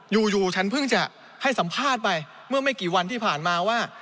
อยู่ฉันเพิ่งจะให้สัมภาษณ์ไปเมื่อไม่กี่วันที่ผ่านมาว่า